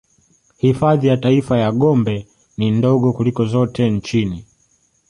Hifadhi ya Taifa ya Gombe ni ndogo kuliko zote nchini